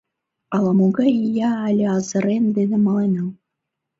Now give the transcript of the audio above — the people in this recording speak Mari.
Ала-могай ия але азырен дене маленам...